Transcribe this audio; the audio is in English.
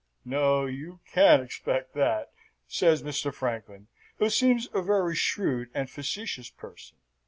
'No, you can't expect that,' says Mr. Franklin, who seems a very shrewd and facetious person.